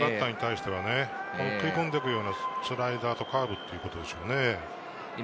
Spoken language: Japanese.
右バッターに対してはね、食い込んでくるようなスライダーとカーブでしょうね。